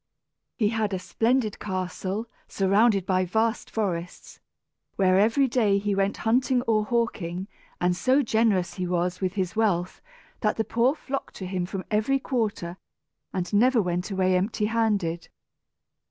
He had a splendid castle, surrounded by vast forests, where every day he went hunting or hawking; and so generous he was with his wealth that the poor flocked to him from every quarter and never went away empty handed.